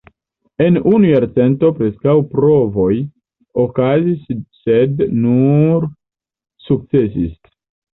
En unu jarcento, preskaŭ provoj okazis sed nur sukcesis.